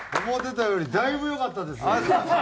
思ってたよりだいぶ良かったです。